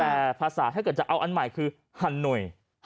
แต่ภาษาถ้าเกิดจะเอาอันใหม่คือฮันหนุ่ย